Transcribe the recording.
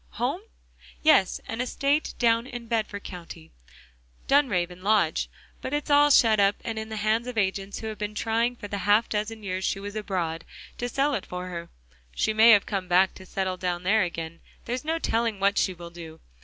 "Home? Yes, an estate down in Bedford County? Dunraven Lodge; but it's all shut up, and in the hands of agents who have been trying for the half dozen years she was abroad, to sell it for her. She may have come back to settle down there again, there's no telling what she will do.